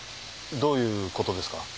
どういうことですか？